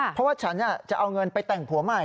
เพราะว่าฉันจะเอาเงินไปแต่งผัวใหม่